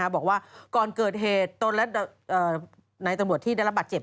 บอกว่าก่อนเกิดเหตุตนและนายตำรวจที่ได้รับบาดเจ็บ